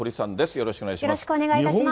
よろしくお願いします。